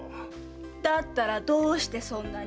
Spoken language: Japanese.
だったらどうしてそんなに？